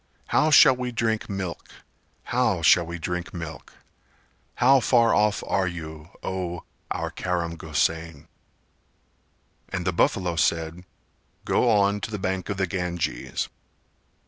How shall we drink milk? How shall we drink milk? How far off are you, O our Karam Gosain?" And the buffalo said "Go on to the bank of the Ganges."